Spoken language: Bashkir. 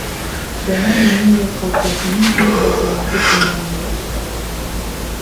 Бына мин ниндәй ҡаты, һинең килеп бәрелеүеңде тойманым да.